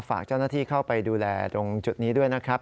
ฝากเจ้าหน้าที่เข้าไปดูแลตรงจุดนี้ด้วยนะครับ